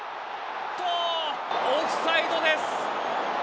オフサイドです。